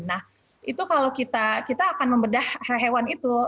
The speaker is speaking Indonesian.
nah itu kalau kita akan membedah hewan itu